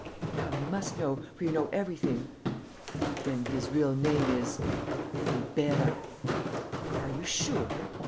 ... Come, you must know, for you know everything. ..." "Then his real name is ..." "Ribeira." "Are you sure?"